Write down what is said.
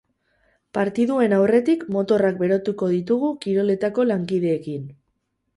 Partiduen aurretik motorrak berotuko ditugu kiroletako lankideekin.